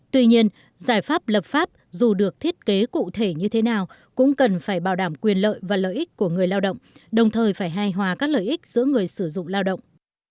tuy nhiên giải pháp lập pháp dù được thiết kế cụ thể như thế nào cũng cần phải bảo đảm quyền lợi và lợi ích của người lao động đồng thời phải hài hòa các lợi ích giữa người sử dụng lao động